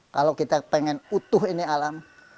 kalau kita pengen utuh ini alam